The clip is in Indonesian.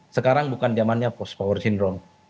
sekarang bukan zamannya pos power syndrome